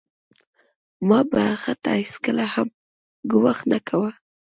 ما به هغه ته هېڅکله هم ګواښ نه کاوه